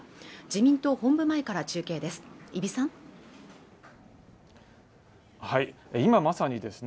自民党本部前から中継です